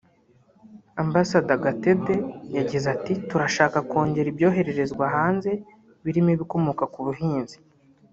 Amb Gatete yagize ati ”Turashaka kongera ibyoherezwa hanze birimo ibikomoka ku buhinzi